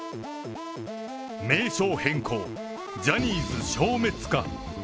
名称変更、ジャニーズ消滅か。